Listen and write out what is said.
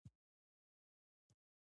د هغه د پیدایښت ځای د راجستان ایالت ټونک دی.